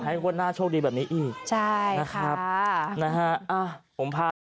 ขอให้คุณหน้าโชคดีแบบนี้อีกนะครับนะฮะอ่ะผมพา